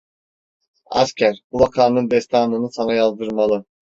Asker, bu vakanın destanını sana yazdırmalı.